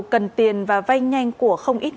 cần tiền và vay nhanh của không ít